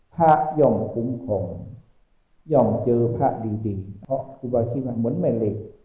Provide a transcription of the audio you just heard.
ภะหย่องคุ้มของหย่องเจอภะดีเพราะทุบาที่มันเหมือนแม่เหล็ก